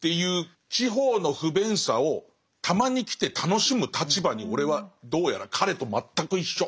地方の不便さをたまに来て楽しむ立場に俺はどうやら彼と全く一緒。